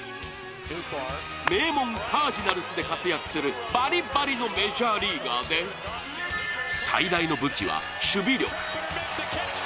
名門・カージナルスで活躍するバリバリのメジャーリーガーで最大の武器は守備力。